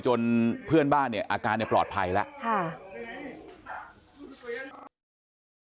จนเพื่อนบ้านเนี่ยอาการเนี่ยปลอดภัยแล้ว